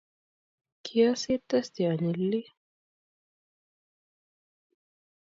kiasir testi anyalilii